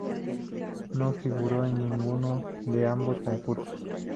No figuró en ninguno de ambos concursos.